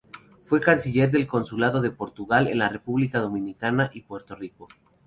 Fue canciller del Consulado de Portugal, en la República Dominicana y Puerto Rico.